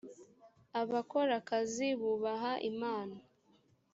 abakora akazi bubaha imana.